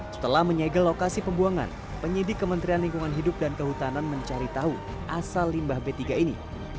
setelah menyegel lokasi pembuangan penyidik kementerian lingkungan hidup dan kehutanan mencari tahu asal limbah b tiga ini